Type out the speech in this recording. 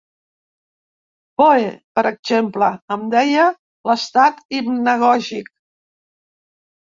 Poe, per exemple, en deia l'estat hipnagògic.